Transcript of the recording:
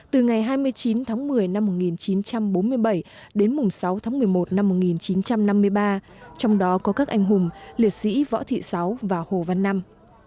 từ ngày hai mươi chín tháng một mươi năm một nghìn chín trăm bốn mươi bảy đến mùng sáu tháng một mươi một năm một nghìn chín trăm năm mươi ba trong đó có các anh hùng liệt sĩ võ thị sáu và hồ văn năm